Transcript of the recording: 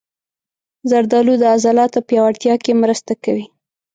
زردالو د عضلاتو پیاوړتیا کې مرسته کوي.